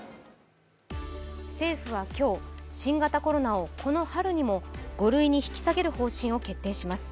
政府は今日、新型コロナをこの春にも５類に引き下げる方針を決定します